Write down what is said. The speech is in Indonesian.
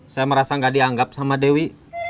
saya merasa nggak dianggap sama dewi